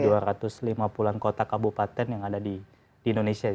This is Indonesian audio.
di dua ratus lima puluh an kota kabupaten yang ada di indonesia